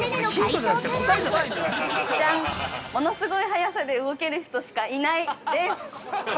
物すごい早さで動ける人しかいないです。